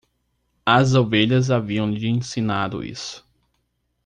As ovelhas haviam lhe ensinado isso.